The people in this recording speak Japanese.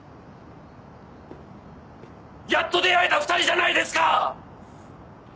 やっと出会えた２人じゃないですか！